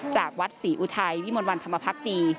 จากวัดศรีอุทัยวิมวลวันธรรมพักดี